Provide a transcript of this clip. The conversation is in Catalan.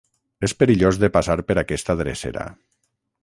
És perillós de passar per aquesta drecera.